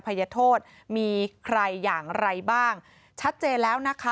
ภัยโทษมีใครอย่างไรบ้างชัดเจนแล้วนะคะ